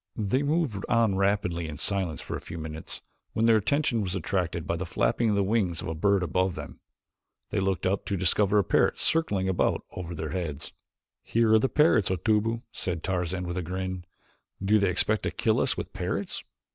They moved on rapidly in silence for a few minutes when their attention was attracted by the flapping of the wings of a bird above them. They looked up to discover a parrot circling about over their heads. "Here are the parrots, Otobu," said Tarzan with a grin. "Do they expect to kill us with parrots?"